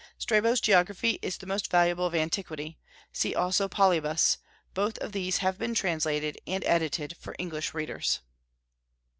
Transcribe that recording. Strabo's Geography is the most valuable of antiquity; see also Polybius: both of these have been translated and edited for English readers.